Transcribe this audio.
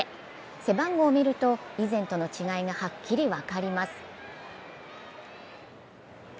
背番号を見ると以前との違いがはっきり分かります。